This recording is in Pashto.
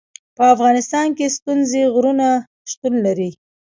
په افغانستان کې ستوني غرونه شتون لري.